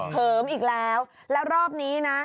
ก้มลง